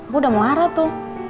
bu udah mau arah tuh